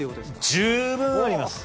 十分あります